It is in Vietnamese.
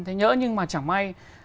thế nhỡ nhưng mà chẳng may